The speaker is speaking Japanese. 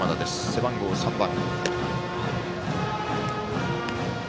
背番号３番。